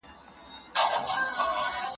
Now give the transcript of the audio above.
هره شپه په خوب کې یاران ګورمه